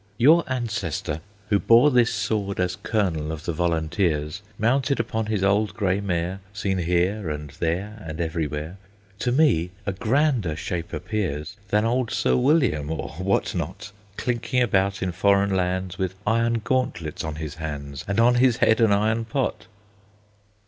Your ancestor, who bore this sword As Colonel of the Volunteers, Mounted upon his old gray mare, Seen here and there and everywhere, To me a grander shape appears Than old Sir William, or what not, Clinking about in foreign lands With iron gauntlets on his hands, And on his head an iron pot!"